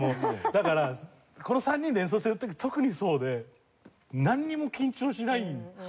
だからこの３人で演奏してる時特にそうでなんにも緊張しないんですよ。